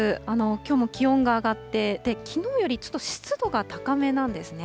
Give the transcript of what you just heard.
きょうも気温が上がって、きのうよりちょっと湿度が高めなんですね。